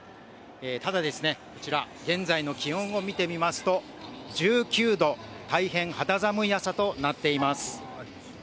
ただ、こちら、現在の気温を見てみますと、１９度、大変肌寒い朝となっています。